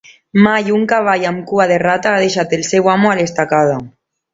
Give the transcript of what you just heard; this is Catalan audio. Mai un cavall amb cua de rata ha deixat al seu amo a l'estacada.